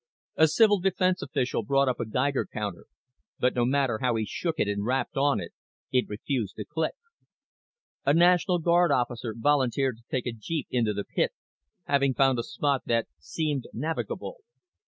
A civil defense official brought up a Geiger counter, but no matter how he shook it and rapped on it, it refused to click. A National Guard officer volunteered to take a jeep down into the pit, having found a spot that seemed navigable.